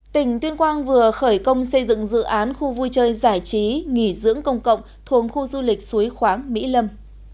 tỉnh tuyên quang vừa khởi công xây dựng dự án khu vui chơi giải trí nghỉ dưỡng công cộng thuồng khu du lịch suối khoáng mỹ lâm